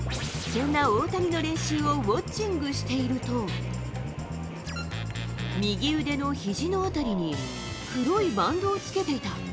そんな大谷の練習をウォッチングしていると、右腕のひじのあたりに黒いバンドをつけていた。